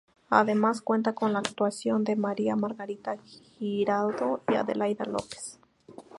Además cuenta con la actuación de María Margarita Giraldo y Adelaida López.